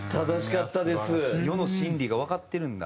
世の真理がわかってるんだ。